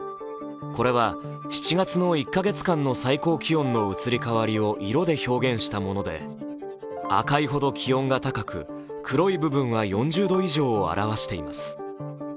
これは７月の１カ月間の最高気温の移り変わりを色で表現したもので、赤いほど気温が高く黒い部分は４０度以上を表しています。